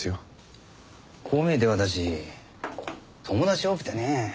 こう見えて私友達多くてねえ。